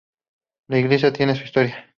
La iglesia tiene su historia.